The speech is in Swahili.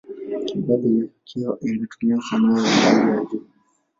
Baadhi yake inatumia sanaa ya hali ya juu.